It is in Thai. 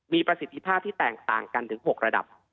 มีประสิทธิภาพที่แตกต่างกันถึง๖ระดับ